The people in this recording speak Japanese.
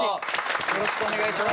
よろしくお願いします。